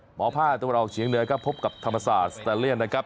หมอพ่าตัวเราเฉียงเนื้อครับพบกับธรรมศาสตร์สเตอร์เลียนนะครับ